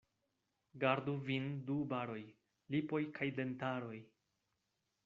Gardu vin du baroj: lipoj kaj dentaroj.